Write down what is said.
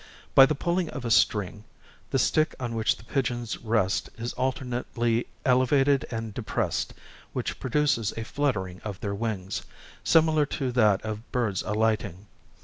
By the pulling of a string, the stick on which the pigeons rest is alternately elevated and depressed, which produces a fluttering of their wings, similar to that of birds alighting.